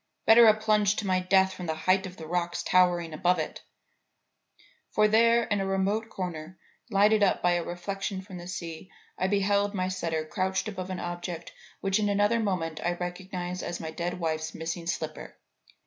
Better a plunge to my death from the height of the rocks towering above it. For there in a remote corner, lighted up by a reflection from the sea, I beheld my setter crouched above an object which in another moment I recognized as my dead wife's missing slipper.